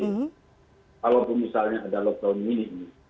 kalaupun misalnya ada lockdown mini